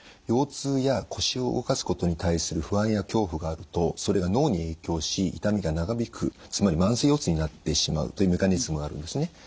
腰痛や腰を動かすことに対する不安や恐怖があるとそれが脳に影響し痛みが長引くつまり慢性腰痛になってしまうというメカニズムがあるんですね。